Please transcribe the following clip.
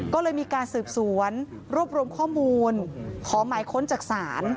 ก็เลยมีการสืบสวนรวบรวมข้อมูลขอหมายค้นจากศาล